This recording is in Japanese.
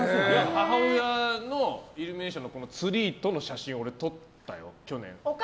母親とイルミネーションのツリーとの写真を俺は撮ったよ、去年。